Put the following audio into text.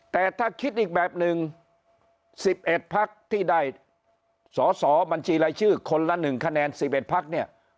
แต่ถ้าคิดอีกแบบหนึ่ง๑๑พักที่ได้สอสอบัญชีรายชื่อคนละ๑คะแนน๑๑พักเนี่ย